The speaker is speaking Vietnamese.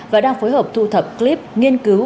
và đang phối hợp thu thập clip nghiên cứu